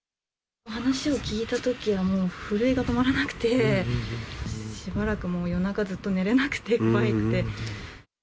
話を聞いたときは、もう震えが止まらなくて、しばらくもう、夜中ずっと寝れなくて、怖くて。